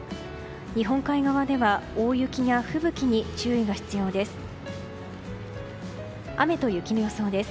日本海側では大雪や吹雪に注意が必要です。